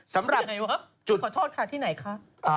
สำหรับจุดที่ไหนวะขอโทษค่ะที่ไหนคะ